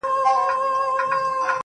صبر د انسان قوت دی.